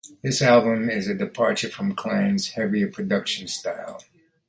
This album is a departure from Klein's heavier production style.